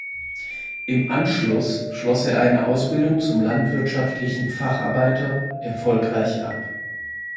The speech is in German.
Im Anschluss schloss er eine Ausbildung zum landwirtschaftlichen Facharbeiter erfolgreich ab.